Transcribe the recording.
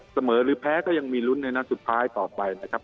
หรือแพ้ก็ยังมีลุ้นในนัดสุดท้ายต่อไปนะครับ